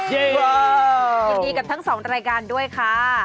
ยินดีกับทั้งสองรายการด้วยค่ะ